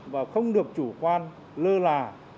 và không được chủ quan lơ là